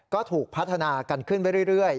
ก็ถูกพัฒนากันขึ้นไปเรื่อย